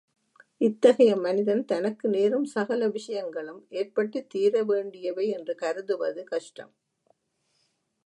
இத்தகைய மனிதன் தனக்கு நேரும் சகல விஷயங்களும் ஏற்பட்டுத் தீரவேண்டியவை என்று கருதுவது கஷ்டம்.